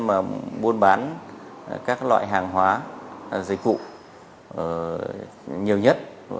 mà buôn bán các loại hàng hóa dịch vụ nhiều nhất